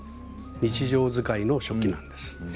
日常使いの食器なんです。